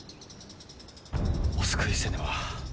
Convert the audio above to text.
お救いせねば。